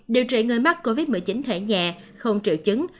điều trị người mắc covid một mươi chín thẻ nhẹ không triệu chứng